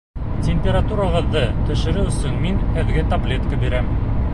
Температурағыҙҙы төшөрөү өсөн мин һеҙгә таблетка бирәм